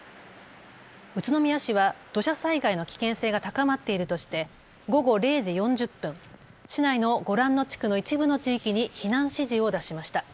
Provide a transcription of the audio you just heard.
宇都宮市は土砂災害の危険性が高まっているとして午後０時４０分、市内のご覧の地区の一部の地域に避難指示を出しました。